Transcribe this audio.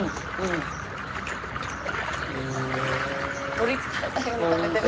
取りつかれたように食べてる。